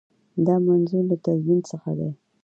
دا منظور له تضمین څخه دی.